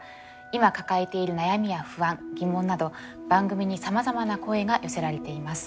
今抱えている悩みや不安疑問など番組にさまざまな声が寄せられています。